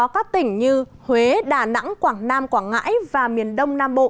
các tỉnh như huế đà nẵng quảng nam quảng ngãi và miền đông nam bộ